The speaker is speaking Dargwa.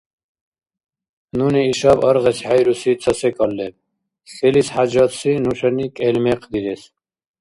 Нуни ишаб аргъес хӀейруси ца секӀал леб: селис хӀяжатси нушани кӀел мекъ дирес?